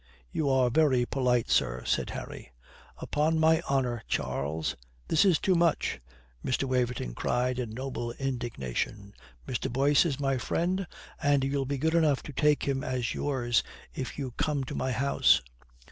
'" "You are very polite, sir," said Harry. "Upon my honour, Charles, this is too much," Mr. Waverton cried in noble indignation. "Mr. Boyce is my friend, and you'll be good enough to take him as yours if you come to my house."